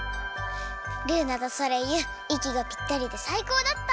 ルーナとソレイユいきがぴったりでさいこうだった！